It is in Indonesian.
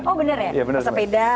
oh bener ya pesepeda